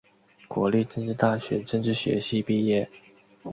国立政治大学政治学系毕业。